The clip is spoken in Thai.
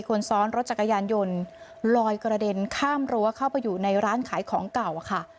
คนซ้อนรถจักรยานยนต์ลอยกระเด็นข้ามรั้วเข้าไปอยู่ในร้านขายของเก่าค่ะ